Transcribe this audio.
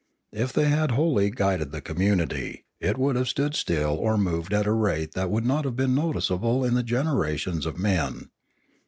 If they had wholly guided the community, it would have stood still or moved at a rate that would not have been noticeable in the generations of men.